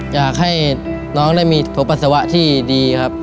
อยากให้น้องได้มีโถส่วนมันที่ดีครับ